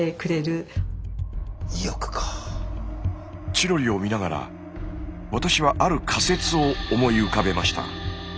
チロリを見ながら私はある仮説を思い浮かべました。